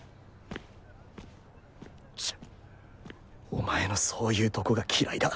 チッお前のそういうとこが嫌いだ。